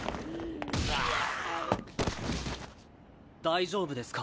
大丈夫ですか？